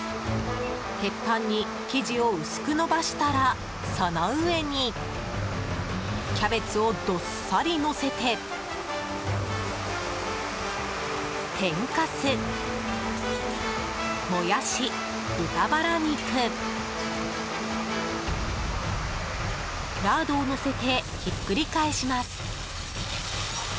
鉄板に生地を薄く伸ばしたらその上にキャベツをどっさり乗せて天かす、モヤシ、豚バラ肉ラードをのせてひっくり返します。